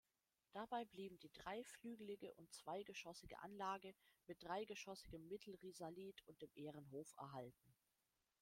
Dabei blieben die dreiflügelige und zweigeschossige Anlage mit dreigeschossigem Mittelrisalit und dem Ehrenhof erhalten.